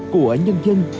của nhân dân